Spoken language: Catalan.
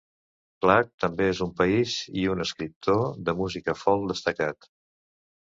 Clark també és un país i un escriptor de música folk destacat.